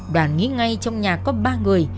đoàn nghĩ ngay trong nhà có ba người